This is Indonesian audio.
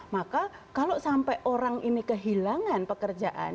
maka kalau sampai orang ini kehilangan pekerjaan